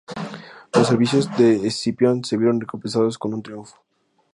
Los servicios de Escipión se vieron recompensados con un triunfo.